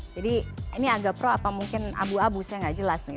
jadi ini agak pro apa mungkin abu abu saya gak jelas nih